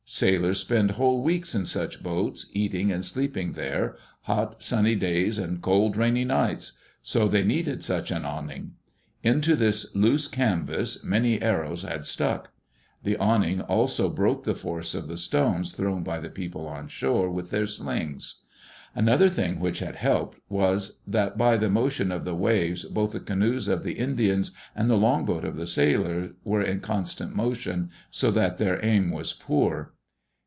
Sailors spend whole weeks in such boats, eating and sleeping there, hot, sunny days and cold, rainy nights; so they needed such an awning. Into this loose canvas many arrows had stuck. The awning also broke the force of the stones thrown by the people on shore with their slings. Another thing which had helped was that, by the motion of the waves, both the canoes of the Indians and the longboat of the sailors were in constant motion, so that their aim was poor.